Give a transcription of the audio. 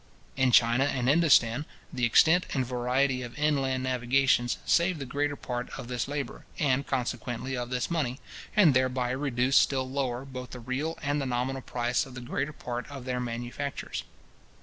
In China and Indostan, the extent and variety of inland navigations save the greater part of this labour, and consequently of this money, and thereby reduce still lower both the real and the nominal price of the greater part of their manufactures.